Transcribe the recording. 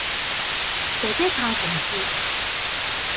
姐姐撐同志